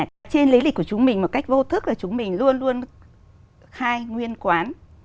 ở trên lý lịch của chúng mình một cách vô thức là chúng mình luôn luôn khai nguyên quán